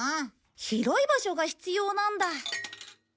広い場所が必要なんだ。